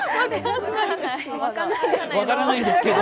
分からないんですけど。